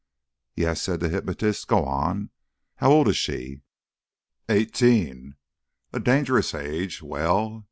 "Yes," said the hypnotist, "go on. How old is she?" "Eighteen." "A dangerous age. Well?"